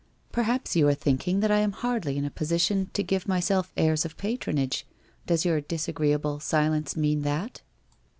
Perhaps you are thinking that I am hardly in a position to give myself airs of patronage ? Does your disagreeable silence mean that?